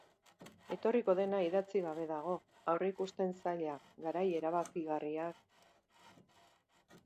Etorriko dena idatzi gabe dago, aurreikusten zaila, garai erabakigarriak...